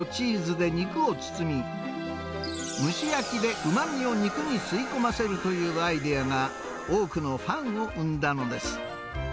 こだわりのソースとチーズで肉を包み、蒸し焼きでうまみを肉に吸い込ませるというアイデアが、多くのファンを生んだのです。